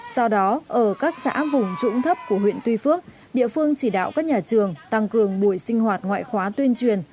do đó ở các xã vùng trũng thấp của huyện tuy phước địa phương chỉ đạo các nhà trường tăng cường buổi sinh hoạt ngoại khóa tuyên truyền